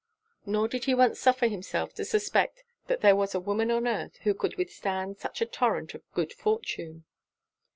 Nor did he once suffer himself to suspect that there was a woman on earth who could withstand such a torrent of good fortune.